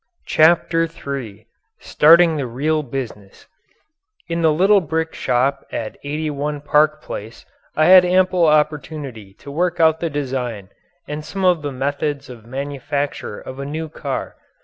CHAPTER III STARTING THE REAL BUSINESS In the little brick shop at 81 Park Place I had ample opportunity to work out the design and some of the methods of manufacture of a new car.